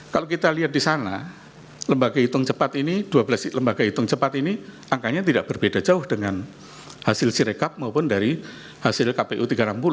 kalau kita lihat di sana lembaga hitung cepat ini dua belas lembaga hitung cepat ini angkanya tidak berbeda jauh dengan hasil sirekap maupun dari hasil kpu tiga rambut